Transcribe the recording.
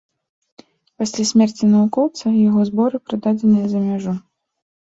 Пасля смерці навукоўца яго зборы прададзеныя за мяжу.